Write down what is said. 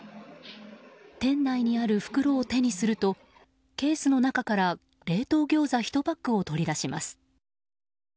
店内にある袋を手にするとケースの中から冷凍ギョーザ１パックを取り出します。